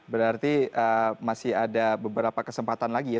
berarti masih ada beberapa kesempatan lagi ya